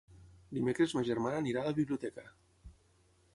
Dimecres ma germana anirà a la biblioteca.